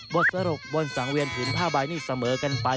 บทสรุปบนสังเวียนผืนผ้าใบนี่เสมอกันไป